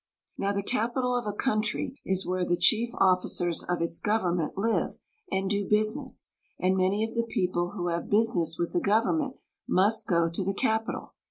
Now the capital of a country is where the chief officers of its government live and do business, and many of the people who have business with the government must go to the capital.